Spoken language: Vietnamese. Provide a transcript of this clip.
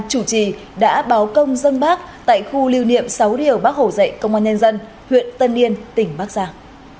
chủ trì đã báo công dân bác tại khu lưu niệm sáu điều bác hổ dạy công an nhân dân huyện tân niên tỉnh bác giang